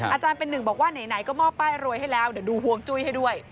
อาจารย์เป็นหนึ่งบอกว่าไหนก็มอบป้ายรวยให้แล้วเดี๋ยวดูห่วงจุ้ยให้ด้วย